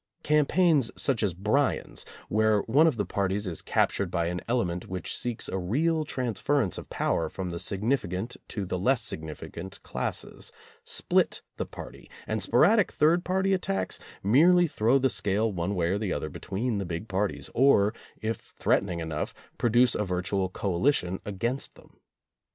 Campaigns such as Bryan's, where one of the parties is cap tured by an element which seeks a real transfer ence of power from the significant to the less sig nificant classes, split the party, and sporadic third party attacks merely throw the scale one way or the other between the big parties, or, if threaten ing enough, produce a virtual coalition against them.